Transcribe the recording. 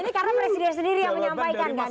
ini karena presiden sendiri yang menyampaikan kan